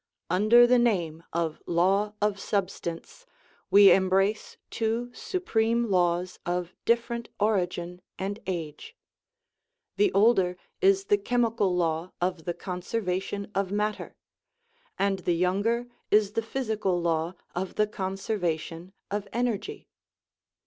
Under the name of " law of substance " we embrace two supreme laws of different origin and age the older is the chemical law of the " conservation of matter," and the younger is the physical law of the "conservation of energy."